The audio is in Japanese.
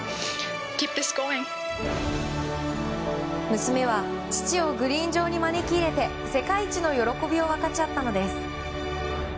娘は父をグリーン上に招き入れて世界一の喜びを分かち合ったのです。